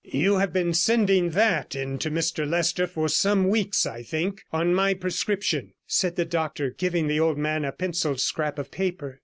'You have been sending that in to Mr Leicester for some weeks, I think, on my prescription,' said the doctor, giving the old man a pencilled scrap of paper.